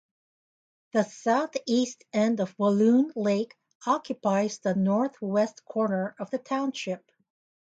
The southeast end of Walloon Lake occupies the northwest corner of the township.